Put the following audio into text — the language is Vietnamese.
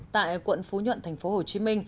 tại quận phú nhuận tp hcm